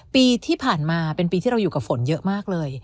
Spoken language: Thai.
ปีที่ผ่านมาเป็นปีที่เราอยู่กับฝนเยอะมากเลย